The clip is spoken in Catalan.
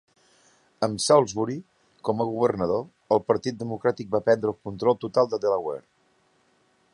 Amb Saulsbury com a governador, el partit democràtic va prendre el control total a Delaware.